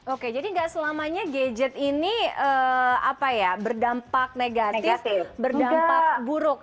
oke jadi gak selamanya gadget ini apa ya berdampak negatif berdampak buruk